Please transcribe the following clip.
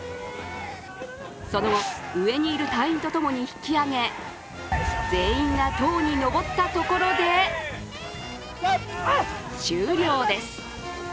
その後、上にいる隊員とともに引き上げ、全員が棟にのぼったところで、終了です。